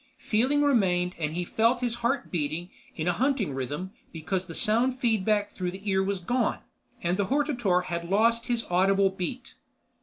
Feeling remained and he felt his heart beating in a hunting rhythm because the sound feedback through the ear was gone, and the hortator had lost his audible beat.